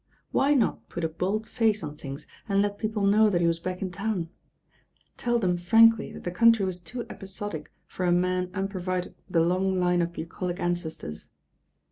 Why not put a bold face on things and let people know that he was back in town? Tell them frankly that the country was too episodic for a man unpro vided with a long line of bucolic ancestors.